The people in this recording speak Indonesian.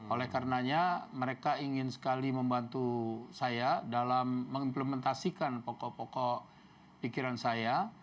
oleh karenanya mereka ingin sekali membantu saya dalam mengimplementasikan pokok pokok pikiran saya